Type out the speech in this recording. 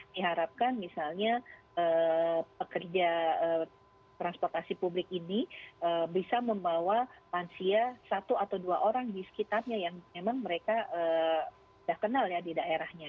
diharapkan misalnya pekerja transportasi publik ini bisa membawa lansia satu atau dua orang di sekitarnya yang memang mereka sudah kenal ya di daerahnya